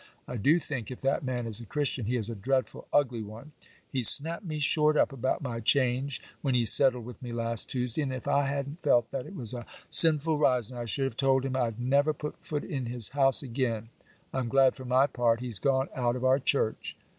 I do think, if that man is a Christian, he is a dreadful ugly one; he snapped me short up about my change, when he settled with me last Tuesday; and if I hadn't felt that it was a sinful rising, I should have told him I'd never put foot in his house again; I'm glad, for my part, he's gone out of our church.